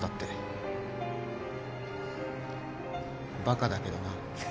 バカだけどな。